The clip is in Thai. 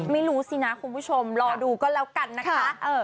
ไม่รู้สินะคุณผู้ชมรอดูก็แล้วกันนะคะ